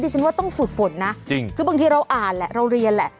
ฉันว่าต้องฝึกฝนนะจริงคือบางทีเราอ่านแหละเราเรียนแหละ